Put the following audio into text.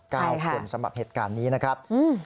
คนสำหรับเหตุการณ์นี้นะครับอืม